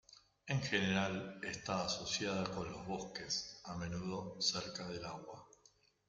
En general, está asociada con los bosques, a menudo cerca del agua.